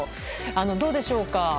どうでしょうか。